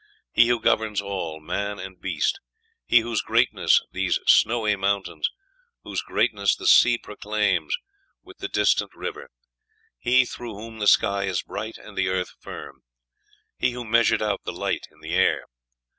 He who governs all, man and beast. He whose greatness these snowy mountains, whose greatness the sea proclaims, with the distant river. He through whom the sky is bright and the earth firm.... He who measured out the light in the air...